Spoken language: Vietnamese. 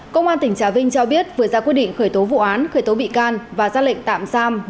công an tỉnh trà vinh cho biết vừa ra quyết định khởi tố vụ án khởi tố bị can và ra lệnh tạm giam